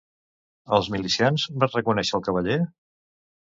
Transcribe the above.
Els milicians van reconèixer el cavaller?